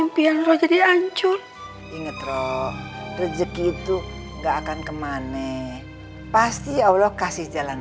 impian roh jadi hancur inget roh rezeki itu enggak akan kemana pasti allah kasih jalan